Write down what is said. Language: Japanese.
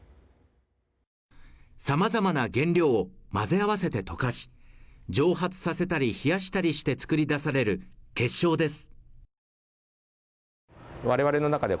様々な原料を混ぜ合わせて溶かし、蒸発させたり冷やしたりして作り出される結晶です。